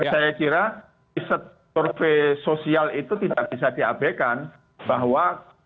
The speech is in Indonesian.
saya kira di survei sosial itu tidak bisa diabekan bahwa